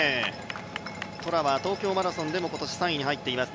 トラは東京マラソンでも今年３位に入っています